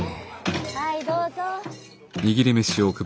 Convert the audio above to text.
はいどうぞ。